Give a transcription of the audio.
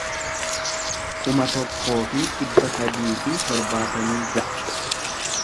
kuma tokkoo fi dhibba sadii fi torbaatamii ja'a